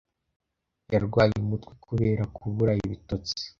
Yarwaye umutwe kubera kubura ibitotsi.